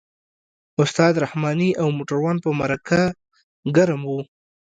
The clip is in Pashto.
استاد رحماني او موټروان په مرکه ګرم وو.